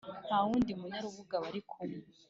ntawundi munyarubuga bari kumwe.